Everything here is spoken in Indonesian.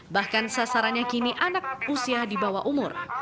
bahkan sasarannya kini anak usia di bawah umur